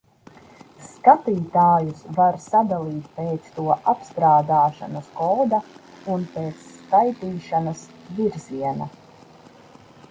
Skaitītājus var sadalīt pēc to apstrādāšanas koda un pēc skaitīšanas virziena.